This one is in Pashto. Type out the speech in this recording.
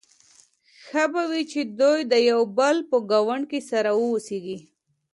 ښه به وي چې دوی د یو بل په ګاونډ کې سره واوسيږي.